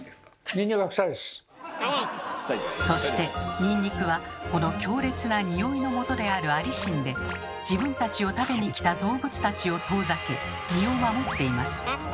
そしてニンニクはこの強烈なニオイのもとであるアリシンで自分たちを食べにきた動物たちを遠ざけ身を守っています。